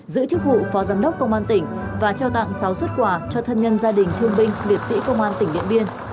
giữ chức vụ phó giám đốc công an tỉnh và trao tặng sáu xuất quà cho thân nhân gia đình thương binh liệt sĩ công an tỉnh điện biên